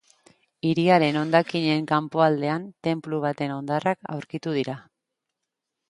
Hiriaren hondakinen kanpoaldean, tenplu baten hondarrak aurkitu dira.